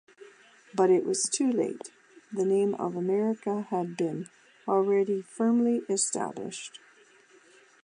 But it was too late; the name of America had been already firmly established.